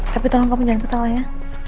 tapi tolong kamu jangan ketawa ya